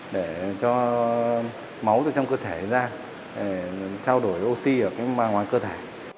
để cho máu từ trong cơ thể ra để trao đổi oxy ở cái ngoài cơ thể